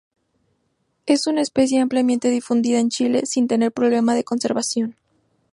Es una especie ampliamente difundida en Chile, sin tener problemas de conservación.